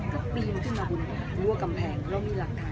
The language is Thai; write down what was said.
ก็พูดลังกินมาบนวัวกำแผงเรามีหลักฐาน